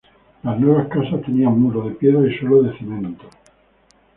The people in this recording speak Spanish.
Las nuevas casas tenían muro de piedra y suelo de cemento.